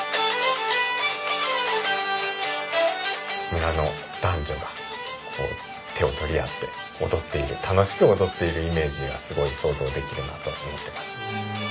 村の男女が手を取り合って踊っている楽しく踊っているイメージがすごい想像できるなと思ってます。